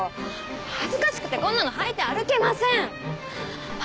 恥ずかしくてこんなの履いて歩けません！